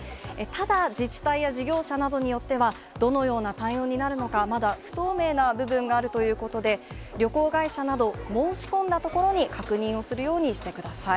ただ、自治体や事業者などによっては、どのような対応になるのか、まだ不透明な部分があるということで、旅行会社など、申し込んだところに確認をするようにしてください。